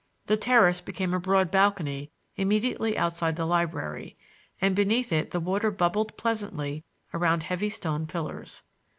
The terrace became a broad balcony immediately outside the library, and beneath it the water bubbled pleasantly around heavy stone pillars.